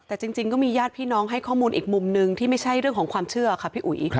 แต่จริงก็มีญาติพี่น้องให้ข้อมูลอีกมุมนึงที่ไม่ใช่เรื่องของความเชื่อค่ะพี่อุ๋ย